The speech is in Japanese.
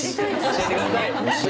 教えてください。